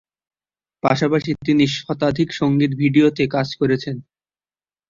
পাশাপাশি তিনি শতাধিক সঙ্গীত-ভিডিওতে কাজ করেছেন।